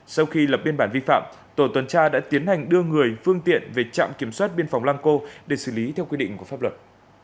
sau khi lập biên bản vi phạm tổ tuần tra đã tiến hành đưa người phương tiện về trạm kiểm soát biên phòng lăng cô để xử lý theo quy định của pháp luật